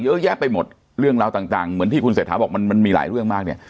เยอะแยะไปหมดเรื่องราวต่างเหมือนที่คุณเศรษฐาบอกมันมันมีหลายเรื่องมากเนี่ย